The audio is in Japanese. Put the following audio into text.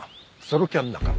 ソロキャン仲間。